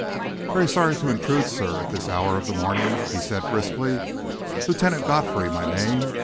"Very sorry to intrude, sir, at this hour of the morning," he said briskly. "Lieutenant Godfrey, my name.